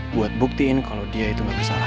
buat buktiin kalau dia itu nggak bersalah